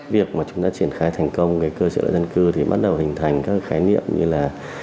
việc mà chúng ta triển khai thành công cái cơ chế dân cư thì bắt đầu hình thành các khái niệm như là